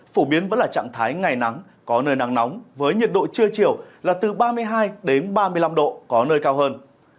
phổ biến vẫn là trạng thái ngày nắng có nơi nắng nóng với nhiệt độ trưa chiều là từ ba mươi hai đến ba mươi năm độ có nơi cao hơn